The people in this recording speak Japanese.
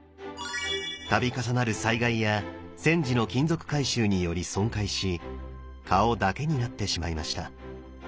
度重なる災害や戦時の金属回収により損壊し顔だけになってしまいました